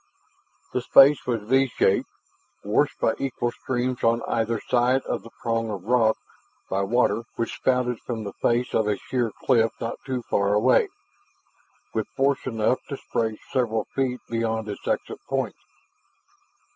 This space was V shaped, washed by equal streams on either side of the prong of rock by water which spouted from the face of a sheer cliff not too far away, with force enough to spray several feet beyond its exit point.